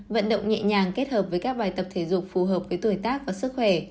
vận động nhẹ nhàng kết hợp với các bài tập thể dục phù hợp với tuổi tác và sức khỏe